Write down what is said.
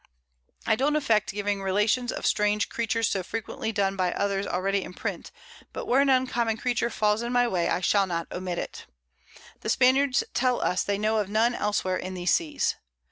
I don't affect giving Relations of strange Creatures so frequently done by others already in print; but where an uncommon Creature falls in my way, I shall not omit it. The Spaniards tell us they know of none elsewhere in these Seas.